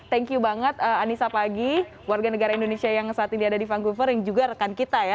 thank you banget anissa pagi warga negara indonesia yang saat ini ada di vancouver yang juga rekan kita ya